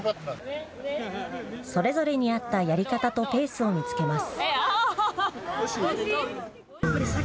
それぞれに合ったやり方とペースを見つけます。